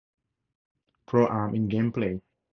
Pro-Am in gameplay.